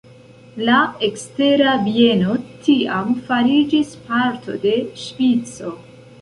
La Ekstera Bieno tiam fariĝis parto de Ŝvico.